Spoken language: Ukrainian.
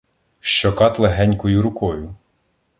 Що кат легенькою рукою